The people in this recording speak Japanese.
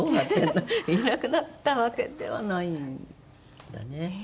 いなくなったわけではないんだね。